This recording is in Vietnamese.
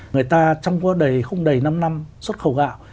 người ta trong quá đầy không đầy năm năm xuất khẩu gạo